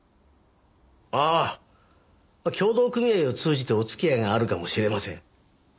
ああ協同組合を通じてお付き合いがあるかもしれません。